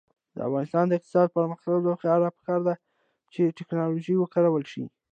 د افغانستان د اقتصادي پرمختګ لپاره پکار ده چې ټیکنالوژي وکارول شي.